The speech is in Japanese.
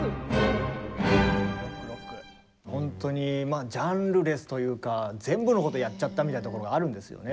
ほんとにまあジャンルレスというか全部のことやっちゃったみたいなところがあるんですよね。